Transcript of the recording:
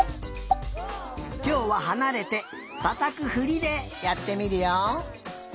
きょうははなれてたたくふりでやってみるよ。